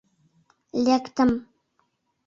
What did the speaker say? Лектым.